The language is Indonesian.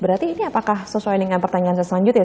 berarti ini apakah sesuai dengan pertanyaan selanjutnya